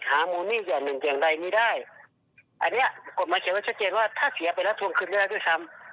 อันนี้กฎหมายเจ็ดมันแชทเจนว่าถ้าเสียไปแล้วทวงขึ้นได้ยังไงด้วยครับ